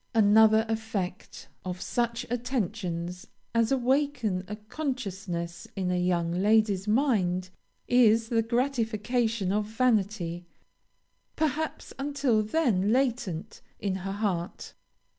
"Another effect of such attentions as awaken a consciousness in a young lady's mind, is the gratification of vanity, perhaps until then latent in her heart.